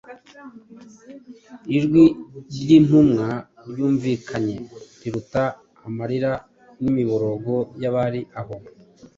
Ijwi ry’intumwa ryumvikanye riruta amarira n’imiborogo y’abari aho.